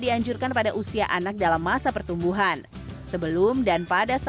dianjurkan pada usia anak dalam masa pertumbuhan di jawa west indonesia itu memang sangat berlebihan